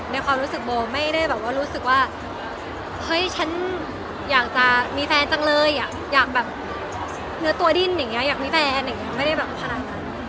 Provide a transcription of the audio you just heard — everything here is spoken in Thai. ความรู้สึกโบไม่ได้แบบว่ารู้สึกว่าเฮ้ยฉันอยากจะมีแฟนจังเลยอยากแบบเนื้อตัวดิ้นอย่างนี้อยากมีแฟนอย่างนี้ไม่ได้แบบขนาดนั้น